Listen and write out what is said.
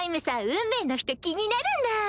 運命の人気になるんだ？